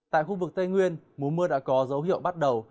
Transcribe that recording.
tại khu vực tây nguyên mùa mưa đã có dấu hiệu bắt đầu